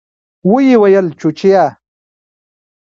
ويې ويل چوچيه.